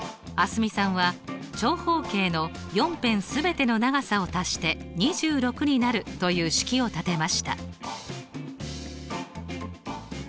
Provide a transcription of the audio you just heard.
蒼澄さんは長方形の４辺全ての長さを足して２６になるという式を立てました。